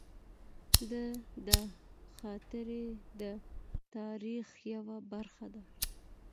د ده خاطرې د تاریخ یوه برخه ده.